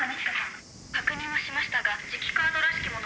確認をしましたが。